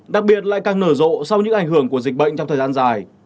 đặc biệt lại càng nở rộ sau những ảnh hưởng của dịch bệnh trong thời gian dài